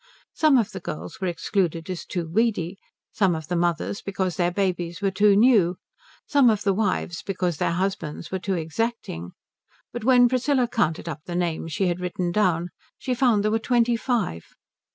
Some of the girls were excluded as too weedy; some of the mothers because their babies were too new; some of the wives because their husbands were too exacting; but when Priscilla counted up the names she had written down she found there were twenty five.